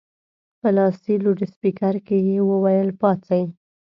په لاسي لوډسپیکر کې یې وویل پاڅئ.